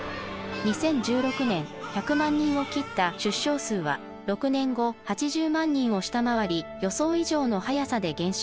２０１６年１００万人を切った出生数は６年後８０万人を下回り予想以上の速さで減少。